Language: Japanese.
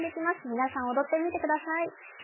皆さん、踊ってみてください。